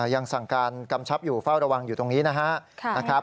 ยังสั่งการกำชับอยู่เฝ้าระวังอยู่ตรงนี้นะครับ